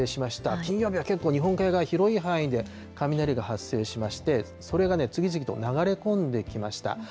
金曜日は結構、日本海側、広い範囲で雷が発生しまして、それが次々と流れ込んできました。